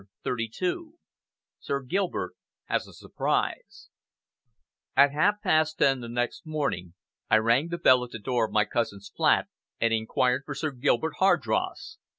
CHAPTER XXXII SIR GILBERT HAS A SURPRISE At half past ten the next morning, I rang the bell at the door of my cousin's flat and inquired for Sir Gilbert Hardross.